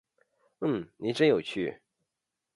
嗯，您真有趣